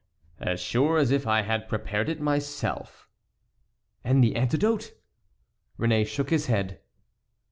"As sure as if I had prepared it myself." "And the antidote?" Réné shook his head.